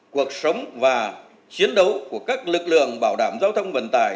cuộc sống và chiến đấu của các lực lượng bảo đảm giao thông vận tải